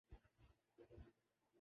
گے، پھر کیا ہو گا؟